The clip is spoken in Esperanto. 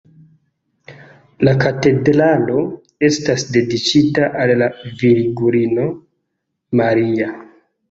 La katedralo estas dediĉita al la Virgulino Maria.